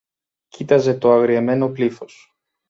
κοίταζε το αγριεμένο πλήθος.